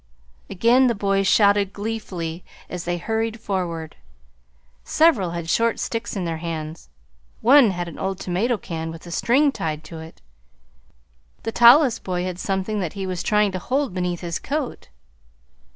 Again the boys shouted gleefully as they hurried forward. Several had short sticks in their hands. One had an old tomato can with a string tied to it. The tallest boy had something that he was trying to hold beneath his coat.